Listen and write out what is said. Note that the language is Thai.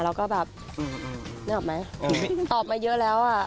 แล้วก็แบบนึกออกไหมตอบมาเยอะแล้วอ่ะ